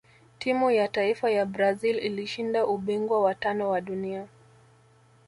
timu ya taifa ya brazil ilishinda ubingwa wa tano wa dunia